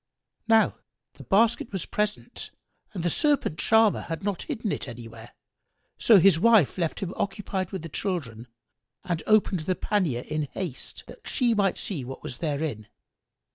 Now the basket was present and the Serpent charmer had not hidden it anywhere, so his wife left him occupied with the children and opened the pannier in haste, that she might see what was therein.